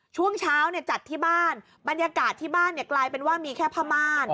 ช่วงเช้าจัดที่บ้านบรรยากาศที่บ้านกลายเป็นว่ามีแค่ผ้าม่าน